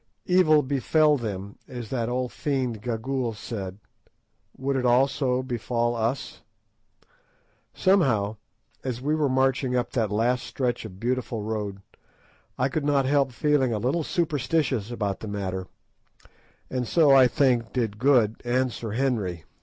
Evil befell them, as that old fiend Gagool said; would it also befall us? Somehow, as we were marching up that last stretch of beautiful road, I could not help feeling a little superstitious about the matter, and so I think did Good and Sir Henry.